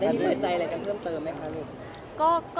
ได้เปิดใจอะไรเพิ่มเติมไหมคะ